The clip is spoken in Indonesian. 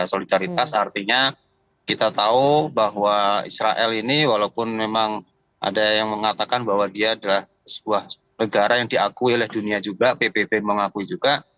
solidaritas artinya kita tahu bahwa israel ini walaupun memang ada yang mengatakan bahwa dia adalah sebuah negara yang diakui oleh dunia juga pbb mengakui juga